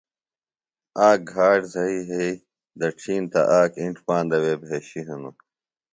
آک گھاٹ زھئی یھی دڇھین تہ آک اِنڇ پاندہ وے بھیشیۡ ہِنوۡ